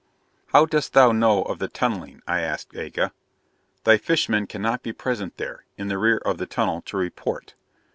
"How dost thou know of the tunneling?" I asked Aga. "Thy fish men cannot be present there, in the rear of the tunnel, to report."